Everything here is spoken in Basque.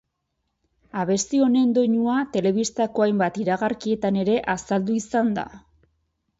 Abesti honen doinua telebistako hainbat iragarkietan ere azaldu izan da.